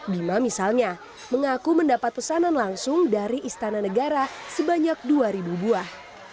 bima misalnya mengaku mendapat pesanan langsung dari istana negara sebanyak dua buah